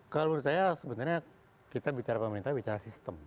kalau menurut saya sebenarnya kita bicara pemerintah bicara sistem